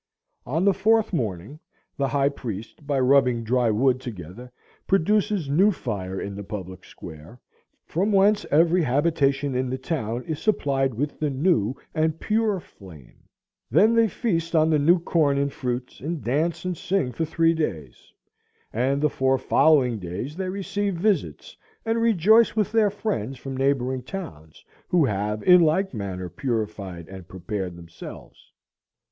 —" "On the fourth morning, the high priest, by rubbing dry wood together, produces new fire in the public square, from whence every habitation in the town is supplied with the new and pure flame." They then feast on the new corn and fruits, and dance and sing for three days, "and the four following days they receive visits and rejoice with their friends from neighboring towns who have in like manner purified and prepared themselves."